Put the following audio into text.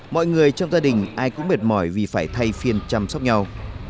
mọi người trong gia đình ai cũng mệt mỏi vì phải thay phiên chăm sóc nhau